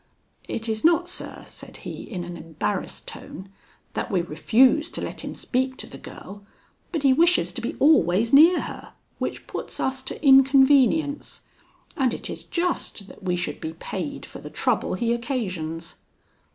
"It is not, sir," said he, in an embarrassed tone, "that we refuse to let him speak to the girl, but he wishes to be always near her, which puts us to inconvenience; and it is just that we should be paid for the trouble he occasions."